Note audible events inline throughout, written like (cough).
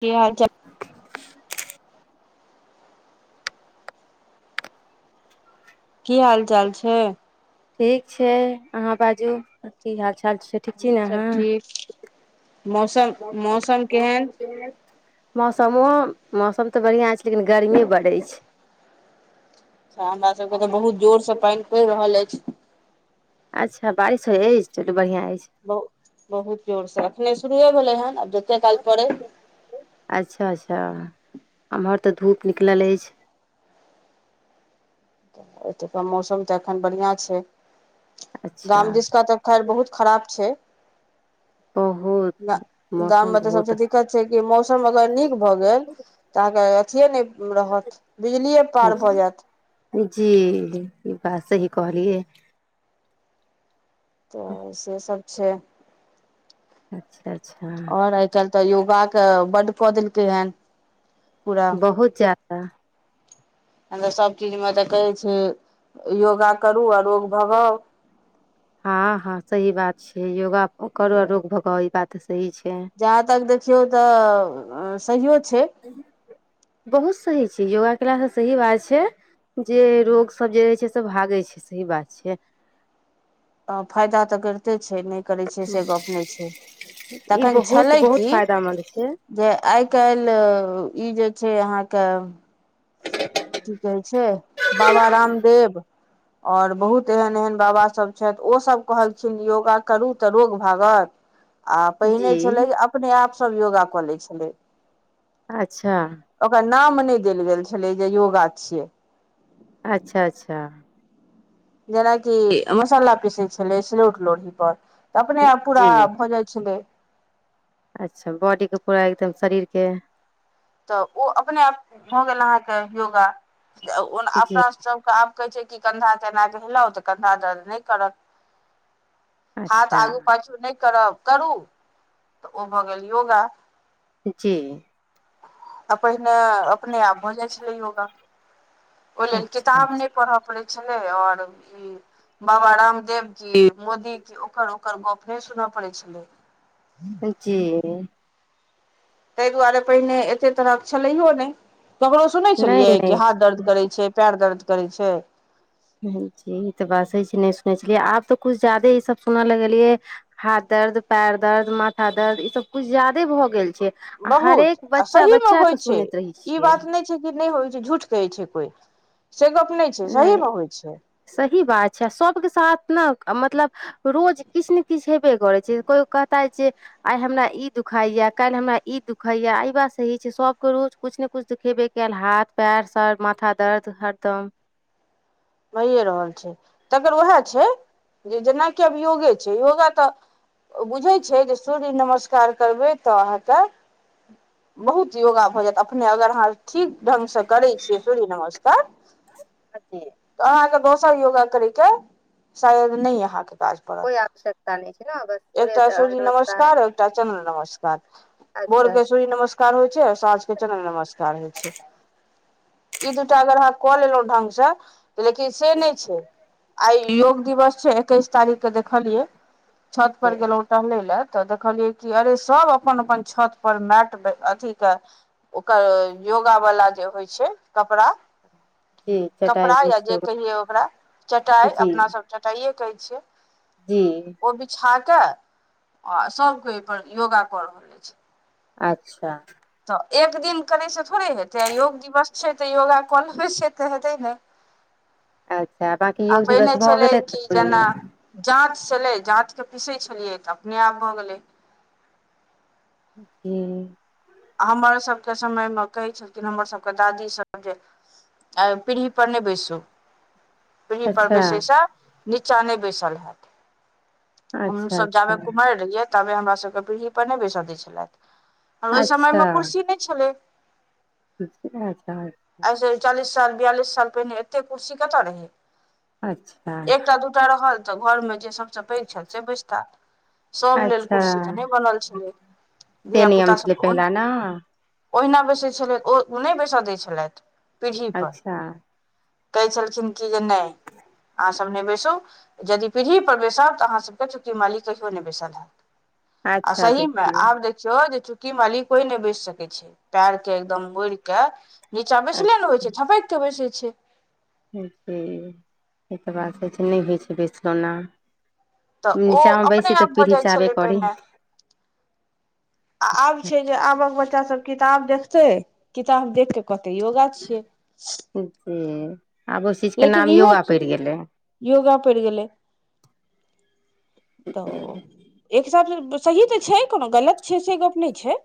की हाल की हाल चाल छै ठीक छै अहाँ बाजू की हाल चाल छै ठीक छै हमहूँ ने सब अहाँ ठीक मौसम मौसम केहन मौसमो मौसम तऽ बढ़ििया छै लेकिन गर्मीए बढ़ै छै हमरा सभके तऽ बहुत जोरसँ पानि पड़ि रहल अछि अच्छा बारिश होइ अछि चलू बढ़िआं अछि बहुत बहुत जोरसँ अखने शुरुए भेलै हेन आब जतेक काल पड़ै अच्छा अच्छा एम्हर तऽ धूप निकलल अछि एतुका मौसम तऽ एखन बढ़िआं छै अच्छा गाम दिसका तऽ खैर बहुत खराब छै आहो गाम में त सबसे दिक्कत छै कि मौसम अगर नीक भ गेल त अहाँके अथिए नहि रहत बिजलिए पार भ नीक। जायत जी ई बात सही कहलियै तऽ से सब छै अच्छा अच्छा चलते युवा के बड कऽ देतेन बहुत जादाा हम तऽ सभ चीजमे तऽ कहै छै योगा करू आ रोग भगाउ हँ हँ सही बात छै योगा करू रोग भगा ई बात सही छै जहाँ तक देखियौ तऽ सहिो छै बहुत सही छै योगा केलास तऽ सही बात छै जे रोग सब जे रहै छै सब भागे छै सही बात छै आ फायदा तऽ करिते छै नहि करै छैै से गप नहि छै ई तखन बहुत छलै बहुत की फायदामन्द छै जे आइ काल्हि ई जे छै अहाँके की कहै छै छै बाबा रामदेव और बहुत एहन एहन बाबा सब ओ सब कहलखिन योगा करू तऽ रोग भागत आ जी पहिने छलै अपने आप सब योगा कऽ ले छलै अच्छा ओकर नाम ने देल गेल छलै जे योगा छियै अच्छा अच्छा जेनाकि मसाला पीसे छलै सिलौट लोढ़ी पर त अपने आप जी पूरा भजइै छलै अच्छा बॉडीके पूरा एकदम शरीरके तऽ ओ अपने आप भऽ गेल अहाँके योगा जी अपना सब त आब कहै छै कि कन्धा केनाे हिलउ तऽ कन्धा दर्द नहि करत हाथ अच्छा आगू पाछू नहि करब करू तऽ ओ भऽ गेल योगा जी आ पहिने अपने आप भऽ जाइ छलै योगा ओहि लेल अच्छा किताब ने अच्छा पढ़ऽ पड़ै छलै आओर ई बाबा रामदेव की मोदी की ओकर ओकर गप नहि सुनऽ पड़े छलै ह जी ताहि दुआरे पहिने एते तरह छलैयो नहि ककरो सुनै नहि छलियै कि नहि हाथ दर्द करै छै पैर दर्द करै छै जी ई त बात छै नहि सुनै छलियै आब त कुछु ज्यादे ई सब सुन लगलियै हाथ दर्द पैर दर्द माथा दर्द ई सब कुछ ज्यादे भ गेल छै बहुत हरेक आ बच्चा सहीमे बच्चा होइ के छै सुनैत रहै ई छियै बात नहि नहि होइ छै झूठ कहै छै कोय से गप नहि छै सही मे होइ छै सही बात छै सबके साथ ने मतलब। रोज किछ ने किछ हेबे करै छै कोइ कहता जे आइ हमरा ई दुखाइए काल्हि हमरा ई दुखाइए एहि बात सही छै सभके रोज। कुछ ने कुछ खेबे कयल हाथ पैर सर माथा दर्द हरदम भहिए रहल छै तकर उएह छै जे जेनाकि आब योगे छै योगा तऽ। बुझैत छै जे सूर्य नमस्कार करबै तऽ अहाँके। बहुत योगा भऽ जायत अपने अगर अहाँ ठीक ढंग से करै छियै सूर्य नमस्कार। अी (unintelligible) अहाँके दोसर योगा करे के शायद न कोइ आवश्यकता नहि छै ने बस अहाँके सूर्य नमस्कार एकटा चन्द्र नमस्कार। भोर अच्छा अच्छा के सूर्य नमस्कार होइ छै आ साँझ के चन्द्र नमस्कार होइ छै। इ दू टा अगर कऽ लेलो लौढंगस लेकिन से नहि छै आइ योग दिवस छै एकैस तारीख। के देखलियै छत पर जी गेलहुँं ते टहले लए तऽ देखलियै कि अरे सब अपन अपन छत पर मैट अथि के ओकर योगा वाला जे होइ छै कपड़ा जी चटाई कपड़ा या भेज। जे कहियै ओकरा चटाइ अपनासभ चटाइए कहै छियै जी ओ बिछा के आ सब केओ पर योगा कर रहले छै अच्छा तऽ एक दिन करै छै थोड़े हेतै योग दिवस छै तऽ योगा कऽ लेबै छै तऽ हेतै ने अच्छा बाँकी आ योग दिवस पहिने भऽ छलै गेलै कि सुपौलमे जेना जाँच छलै जाँच के पीसै छलियै तऽ अपने आप भऽ गेलै जी हमर सभके समयमे कहै छलखिन हमर सभके दादीसभ जे आ पीढ़ी पर ने बैसू पीड़ी पर अच्छा बैसयसँ नीचाँ नहि बैसल हैत हम अच्छा सब अच्छा जाबे कुमारय रहियै क ताबे हमरा सबके पीढ़ी पर नहि बैसऽ दै छलथि आ ओह समय मे अच्छा कुर्सी नहि छलै सतरह साल अए से चालीस साल बियालस साल पहिने एते कर्सी कतऽ रहे अच्छा ओतए रहल त घरमे जे सभसँ पैघ छल से बैसता सब लेल अच्छा कुर्सी त नहि बनल छिलै धिया पुता सब पहिले ना ओहिना बैसै छलथि ओ ओ नहि बैसय दै छलथि पीड़ीपर अच्छा कहै छलखिन की जे नहि अहाँसभ नहि बैसू जदि पीढ़ीपर बैसब तऽ अहाँसभके चुकी माली कहियो नहि बैसल देब अच्छा सहीमे देखियौ आब देखयो देखयो जे चुक्की माली कोई नहि बैस सकै छै पैर के एकदम मोड़के नीचा बैसले अच्छा ने होइ छै छपेक के बैसे छै एहि तऽ बात होइ छै नहि होइ छै बिसलौना (unintelligible) तऽ उ अपने आप भऽ पीढ़ी जाइ चाहबे छलै करी पहिने आब छै जे आबक बच्चा सब किताब देखतै किताब देख क कहते योगा छियै आब ओहि चीजके लेकिन नाम इहो योगा पेड़ गेलै योगा पेड़ गेलै तऽ एक हिसाबसँ सही तऽ छै कोनो गलत छै से गप नहि छै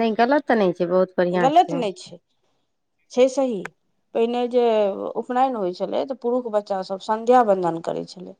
नहि गलत तऽ नहि छै बहुत बढ़िआँ गलत छै नहि छै सही पहिने जे उपनयन होइ छलै तऽ पुरुष बच्चासभ संध्या बन्दन करैत छलै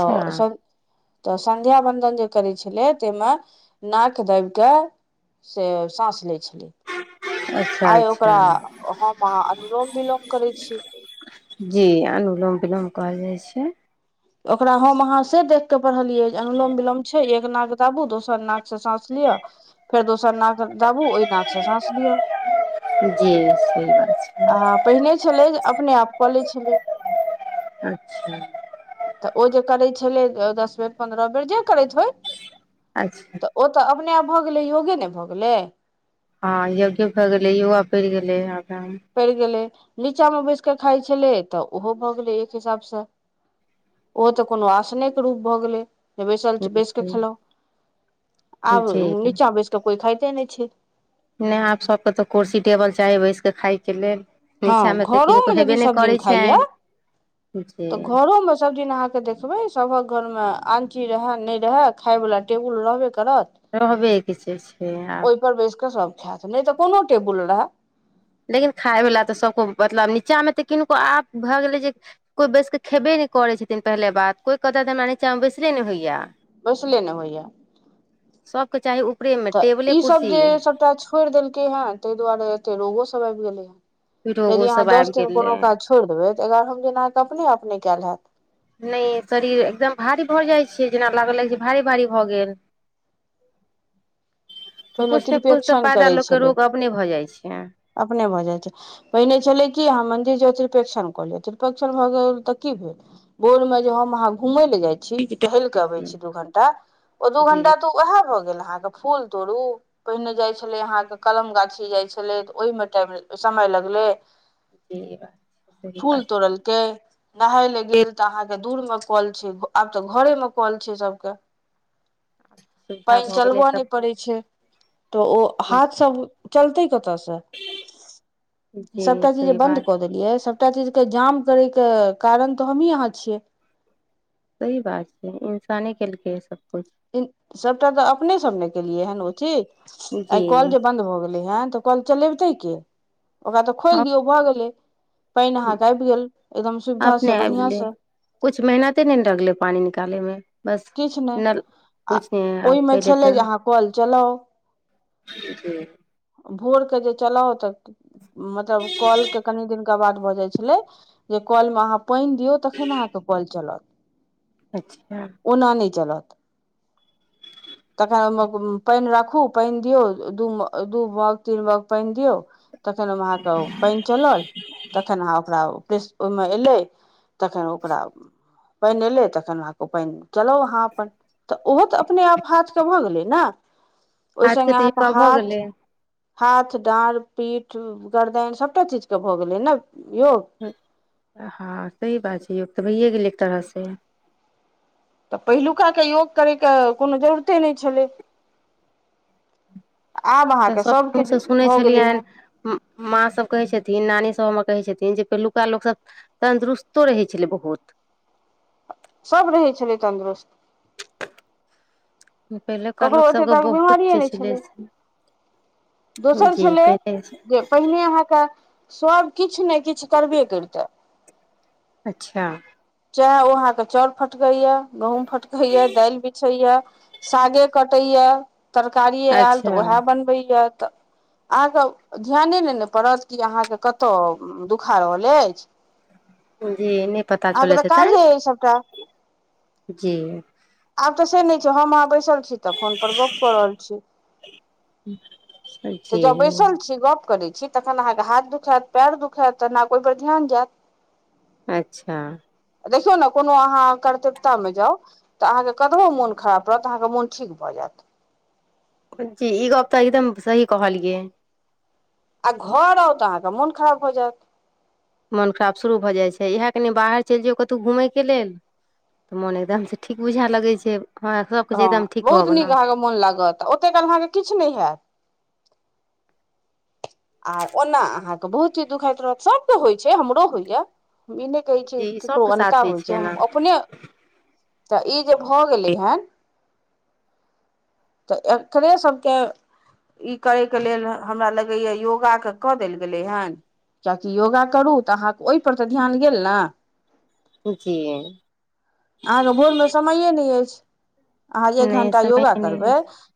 तऽ सब तऽ संध्या बंदन जे करै छलै ताहिमे नाक दाबि कऽ से साँस लै छलै अच्छा आइ अच्छा ओकरा हम अह अनुलोम विलोम करै छी जी अनुलोम विलोम कहल जाइ छै ओकरा हम अहाँ से देख कऽ पढ़लियै जे अनुलोम विलोम छै एक नग दाबू दोसर नाक से साँस लियअ फेर दोसर नाक दाबू ओहि नाक से साँस लियअ जी सही बात छै (unintelligible) आ पहिने छलै अपने आप कऽ लै छलै अच्छा तऽ ओ जे करैत छलै दस बेर पन्द्रह बेर जे करैत होइ अच्छा तऽ ओ तऽ अपने आब भऽ गेलै योगे ने भऽ गेलै हँ यग्यो भए गेलै युवा पड़ गेलै आग पड़ि गेलै नीचामे बैस कऽ खाई छलै तऽ ओहो भऽ गेलै एक हिसाबसँ ओ तऽ कोनो आसने के रूप भऽ गेलै जे बैसल छी बैस कऽ खेलहुं आब जी नीचाँ बैस कऽ कोइ खाइते नहि छै नहि आब सभके तऽ कुर्सी टेबल चाही बैस कऽ खायके लेल हँ नीचामे तऽ घरो किनको मे हेबे यदि नहि सब दिन करै खाईया छनि जे तऽ घरो मे सबदिन अहाँके देख बै सभक घरमे आनची रहै नहि रहै खााय वला टेबुल रहबे करत रहबे के छै छै प आब पर बैस क सब खात नहि तऽ कोनो टेबुल रहे लेकिन खायवला तऽ सबको मतलब नीचामे तऽ किनको आप भए गेलै जे कोई बैसि कऽ खेबे नहि करै छथिन पहिले बात कोई कहतय तऽ हमरा नीचाँमे बैसले नहि होइए बस लेना होइय सबके चाही ऊपरेमे तऽ टेबले ईसभ कुर्सी जे सभटा छोड़ि देलकै हेँ ताहि दुआरे एते रोगोसभ आबि गेलै पीठो हेँ गो यदि अहाँ सब दस आबि दिन गेलै कोनो काज छोड़ि देबै तऽ एगारहम दिन अहाँके अपने आप नै कयल हैत नहि शरीर एकदम भारी भऽ जाई छै जेना लागल लगै छै भारी भारी भऽ गेल (inaudible) तऽ पहिने कुछ त कुछ तऽ त्रिपेक्षण पायदा करै लोकके छलै रोग अपने भऽ जाइत छै अपने भ जाय छै पहिने छलै कि अहाँ मन्दिर जाउ त्रिपेक्षण कऽ लियौ त्रिपेक्षण भऽ गेल तऽ की भेल भोर में जे हम अहाँ घूमय ले जाई छी टहैल के अबै जी छी दू घंटा ओ दू जी घंटा तऽ उएह भऽ गेल अहाँके फूल तोड़ू पहिने जाइ छलै अहाँके कलम गाछी जाइ छलै तऽ ओहिमे टाइम समय लगलै जी ई बात सही फूल बात छै, तोड़लके नहाय लए गेल तऽ अहाँके दूर मे कल छै आब तऽ घरे मे कल छै सभके (inaudible) आ सुविधा भऽ गेलै सभ छै तऽ ओ हाथ सब चलतै कतसे जी सभटा चीज सही बन्द बात छै कदेलियै सबटा चीज के जाम करे के कारण तऽ हमही अहाँ छियै सही बात छै इन्साने केलकै सबकिछु सभटा तऽ अपने सब ने केलियै हन ओ चीज जी आइ कल जे बंन्द भऽ गेले हन तऽ कल चलेबतै के ओकरा तऽ खोलि दियौ भऽ गेलै पानि अहाँके आबि गेल एकदम सुविधास अपने से आबि बढ़ियां गेलै से कुछ मेहनते नहि गले पानि निकाले मे बस किछु नहि नल आ कुछ नहि आब ओहिमे पहिले छलै जे तऽ अहाँ कल चलाउ हू (inaudible) भोर के जे चलाउ तऽ मतलब कल के कनि दिन कका बाद भऽ जाई छलै जे कल मे अहाँ पानि दियौ तखन अहाँके कल चलत अच्छा ओना नहि चलत तखनउमो पैनि राखू पैनि दियौ दू म दु मग तीन माग पैनि दियौ तखन अम अहाँके पैनि चलल तखन अहाँ ओकरा प्रेस ओहिमे एलै तखन ओकरा पैनि एलै तखन आब पैनि चलाउ अहाँ अपन तऽ ओहो तऽ अपने आप हाथ स भऽ गेलै ने ओहि हाथ के संगगे तऽ अहाँके योगा भऽ हाथ गेलै हाथ डाड़ पीठ गरदइ सभटा चीज के भऽ गेलै ने योग हँ सही बात छै योग तऽ भैए गेलै एक तरहसँ तऽ पहिलुक का के योग करैके कोनो जरूरते नहि छलै आब तऽ अहाँके सब सभ किछ मुँहसँ सुनै भऽ गेलै हेँ छलियनि माँ सभ कहै छथिन नानीसभ हमर कहै छथिन जे पहिलुका लोकसभ तन्दुरुस्तो रहै छलै बहुत सब रहै छलै तन्दुरुस्त पहिलुका ककरो लोक ओ छै सबके तके बहुत बिमारिए जे नहि छलै से दोसर जी छलै पहिले जे पहिने अहाँके सभ किछु ने किछु करबे करिते अच्छा चाह ओ अहाँके चाउर फटकैया गहूँम फटकैया दालि बिछैया सागे कटैए तरकारिए आयल तऽ अच्छा उएह बनबैए तऽ अहाँके ध्याने नै ने पड़त कि अहाँके कतय दुखा रहल अछि जी निप आब तऽ काजे ऐ सबटा जी आब तऽ से नहि छै हम अहाँ बैसल छी तऽ फोन पर गप कऽ रहल छी तऽ जी ज बैसल छी गप करै छी तखन अहाँके हाथ दुखायत पयर दुखायत तऽ ने कोई पर ध्यान जायत अच्छा देखियौ ने कोनो अहाँ कर्तव्यतामे जाउ तऽ अहाँके कतबो मोन खराब रहत त अहाँके मोन ठीक भऽ जायत जी ई गप तऽ एकदम सही कहलियै आ घर आउ तऽ अहाँके मोन खराब भऽ जायत मोन खराब शुरू भऽ जाइ छै इएह कनि बाहर चलि जौ कतहु घूमयके लेल तऽ मोन एकदमसँ ठीक बुझा लगै छै हँ सभकिछु हँ एकदम ठीक बहुत भऽ नीक गेलहुँ अहाँके मोन लागत ओते काल अहाँके किछु नहि हैत आर ओना अहाँके बहुत चीज दुखाइत रहत सभ के होइ छै हमरो होइया हम ई नहि कहै छै जी ककरो सभके साथ अनका होइ छै हम एना अपने तऽ ई जे भऽ गेलै हन तऽ एकरे सभके ई करयके लेल हमरा लगैया योगाके कऽ देल गेलै हन चाची योगा करू तऽ अहाँके ओहिपर तऽ ध्यान गेल ने जी अहाँके भोरमे समयए नहि अछि अहाँ एक नहि घण्टा समय योगा नहि करबै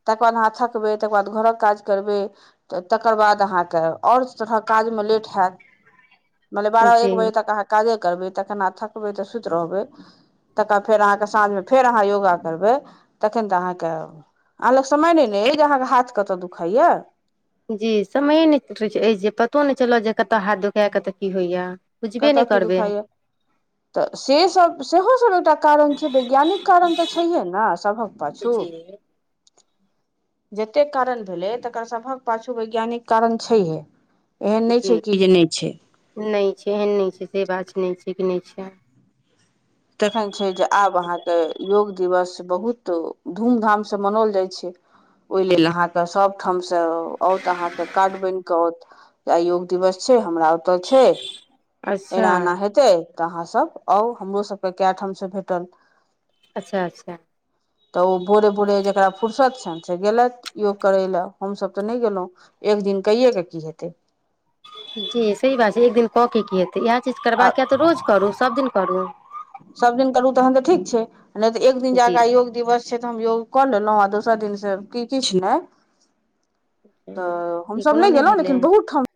तकर बाद अहाँ थकबै तकर बाद घरक काज करबै तऽ तकर बाद अहाँके आओर तरहक काजमे लेट हैत मानलै होइ बारह एक छै बजे तक अहाँ काजे करबै तखना थकबै तऽ सुति रहबै तकर बाद फेर अहाँके साँझमे फेर अहाँ योगा करबै तखन तऽ अहाँके अहाँ लग समय नहि ने अ जे अहाँके हाथ कतय दुखाइया जी समय नहि रहै छै अछि जे पतो नहि चल जे कतय हाथ धोखा कतय की होइया कता की दुखाइय तऽ से सभ सेहो सभ एकटा कारण छै वैज्ञानिक कारण तऽ छैहे ने सभक पाछू जी जतेक कारण भेलै तकर सभक पाछू वैज्ञानिक कारण छैहे एहन नहि छै जी कि जे नहि छै नहि छै एहन नहि छै से बात छै नहि छै कि नहि छै तखन छै जे आब अहाँके योग दिवस बहुत धूमधामसँ मनाओल जाइ छै ओहि लेल अहाँके सभ ठाम से औत अहाँके कार्ड बनि कऽ औत योग दिवस छै हमरा छै अच्छा एना एना हेतै तऽ अहाँ सब आउ हमरो सब कए ठाम से भेटल अच्छा अच्छा तऽ ओ भोरे भोरे जकरा फुरसत छनि चछा गेलथि योग करै लए हमसभ तऽ नहि गेलहुँ एक दिन कैए कऽ की हेतै जी सही बात छै एक दिन कऽ के की हेतै इएह चीज करबाक अ तऽ रोज करू सभ दिन करू सभ दिन करू तहन तऽ ठीक छै नहि तऽ एक दिन जी जाकऽ योग दिवस से तऽ हम योग कऽ लेलहुँ आ दोसर दिनसँ की किछु नहि तऽ ई हमसभ कोनो नहि गेलहुँ लेकिन भेलै बहुत ठाम